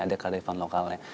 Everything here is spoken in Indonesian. ada kearifan lokalnya